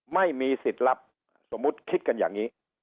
ไม่มีสิทธิ์รับสมมุติคิดกันอย่างนี้